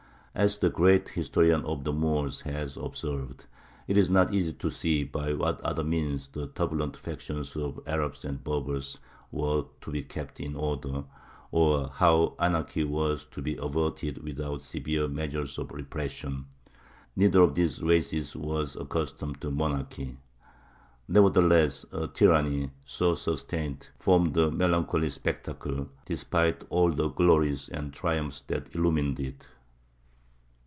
As the great historian of the Moors has observed, it is not easy to see by what other means the turbulent factions of Arabs and Berbers were to be kept in order, or how anarchy was to be averted without severe measures of repression: neither of these races was accustomed to monarchy. Nevertheless a tyranny so sustained formed a melancholy spectacle, despite all the glories and triumphs that illumined it.